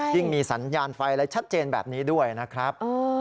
ยิ่งมีสัญญาณไฟและชัดเจนแบบนี้ด้วยนะครับ